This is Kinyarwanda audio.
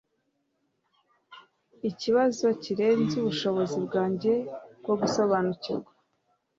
Ikibazo kirenze ubushobozi bwanjye bwo gusobanukirwa.